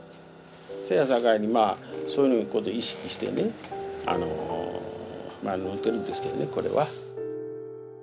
せやさかいにそういうこと意識してね縫うとるんですけどねこれは。